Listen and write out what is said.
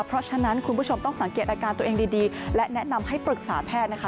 เพราะฉะนั้นคุณผู้ชมต้องสังเกตอาการตัวเองดีและแนะนำให้ปรึกษาแพทย์นะคะ